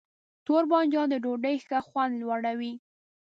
تور بانجان د ډوډۍ ښه خوند لوړوي.